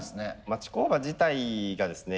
町工場自体がですね